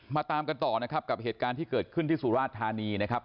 ตามกันต่อนะครับกับเหตุการณ์ที่เกิดขึ้นที่สุราชธานีนะครับ